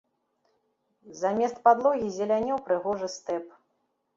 Замест падлогі зелянеў прыгожы стэп.